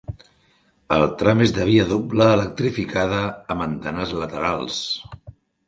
El tram és de via doble electrificada amb andanes laterals.